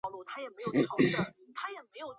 西南莩草为禾本科狗尾草属下的一个种。